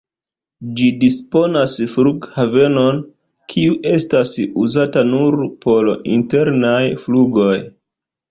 Ĝi disponas flughavenon, kiu estas uzata nur por internaj flugoj.